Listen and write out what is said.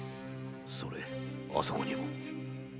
それあそこにも。